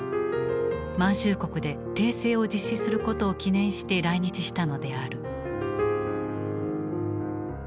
満州国で帝政を実施することを記念して来日したのである。